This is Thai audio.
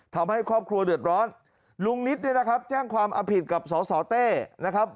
ทำให้ครอบครัวเดือดร้อนลุงนิดเนี่ยนะครับแจ้งความเอาผิดกับสสเต้นะครับ